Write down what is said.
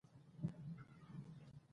که زه ارامه نه شم، اضطراب به زیات شي.